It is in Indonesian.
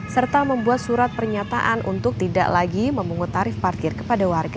serta membuat surat pernyataan untuk tidak lagi memungut tarif parkir kepada warga